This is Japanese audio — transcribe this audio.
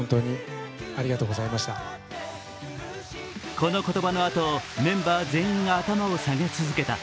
この言葉のあと、メンバー全員が頭を下げ続けた。